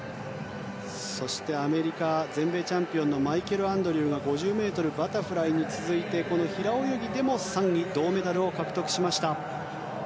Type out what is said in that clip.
そしてアメリカ全米チャンピオンのマイケル・アンドリューが５０ｍバタフライに続いてこの平泳ぎでも３位銅メダルを獲得しました。